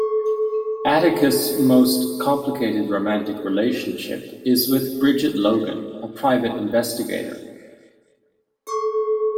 Atticus' most complicated romantic relationship is with Bridgett Logan, a private investigator.